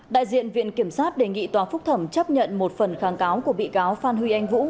đại diện viện kiểm sát đề nghị tòa phúc thẩm chấp nhận một phần kháng cáo của bị cáo phan huy anh vũ